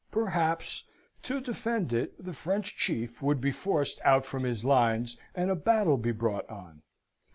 Perhaps, to defend it the French chief would be forced out from his lines, and a battle be brought on.